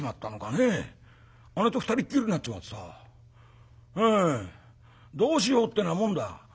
姉と２人っきりになっちまってさどうしようってなもんだ。